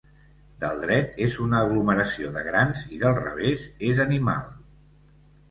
Del dret és una aglomeració de grans i del revés és animal.